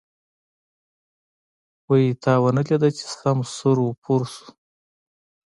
وی تا ونه ليده چې سم سور و پور شو.